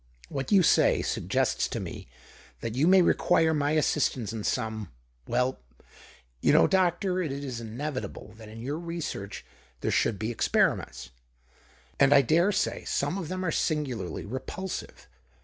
What you ay suggests to me that you may require my ssistance in some — well, you know, doctor, b is inevitable that in your research there hould be experiments, and I dare say some f them are singularly repulsive.